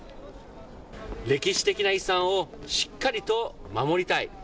歴史的な遺産をしっかりと守りたい。